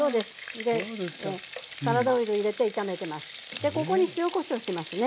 でここに塩・こしょうしますね。